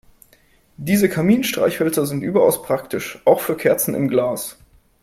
Diese Kaminstreichhölzer sind überaus praktisch, auch für Kerzen im Glas.